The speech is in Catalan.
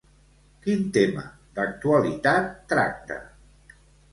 Quin tema d'actualitat tracta?